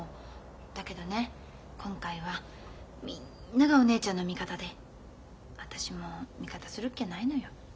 だけどね今回はみんながお姉ちゃんの味方で私も味方するっきゃないのよ。